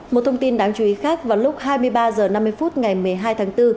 một thông tin đáng chú ý khác vào lúc hai mươi ba h năm mươi phút ngày một mươi hai tháng bốn